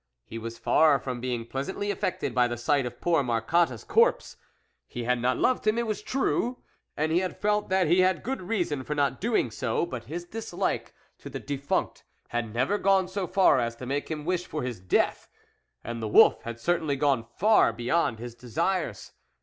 He was far from being pleasantly affected by the sight of poor Marcotte's corpse ; he had not loved him, it was true, and he had felt that he had good reason for not doing so ; but his dislike to the defunct had never gone so far as to make him wish for his death, and the wolf had certainly gone far beyond his desires.